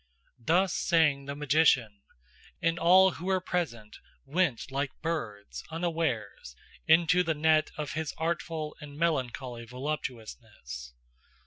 Thus sang the magician; and all who were present went like birds unawares into the net of his artful and melancholy voluptuousness.